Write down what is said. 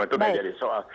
itu menjadi soal